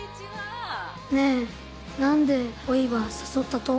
ねえ、何でおいば誘ったと？